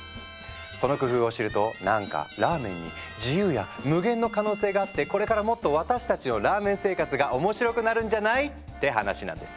その工夫を知るとなんかラーメンに自由や無限の可能性があってこれからもっと私たちのラーメン生活が面白くなるんじゃない？って話なんです。